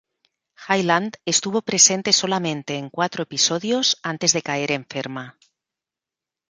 Hyland estuvo presente solamente en cuatro episodios antes de caer enferma.